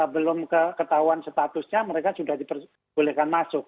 belum ketahuan statusnya mereka sudah diperbolehkan masuk